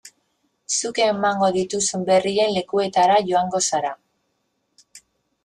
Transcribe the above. Zuk emango dituzun berrien lekuetara joango zara.